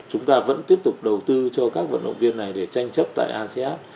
chúng ta vẫn tiếp tục đầu tư cho các vận động viên này để tranh chấp tại asean